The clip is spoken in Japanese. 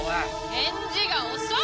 返事が遅い！